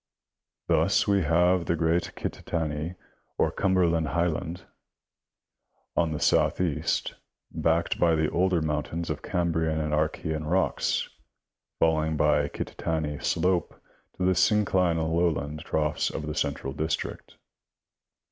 Thus we have the great Kittatinny or Cumberland highland, C, C, on the south east, backed by the older mountains of Cambrian and Archean rocks, falling by the Kittatinny slope to the synclinal lowland troughs of the central district.